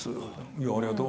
「いやありがとう」